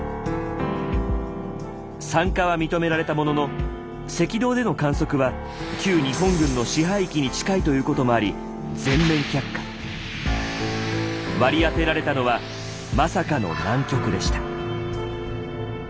参加は認められたものの赤道での観測は旧日本軍の支配域に近いということもあり割り当てられたのはまさかの南極でした。